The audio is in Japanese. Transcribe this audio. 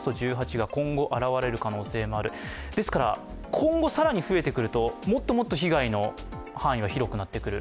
今後更に増えてくると、もっともっと被害の範囲は広くなってくる。